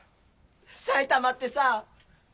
埼玉ってさ。